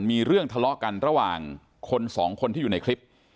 มีเรื่องทะเลาะกันระหว่างคนสองคนที่อยู่ในคลิป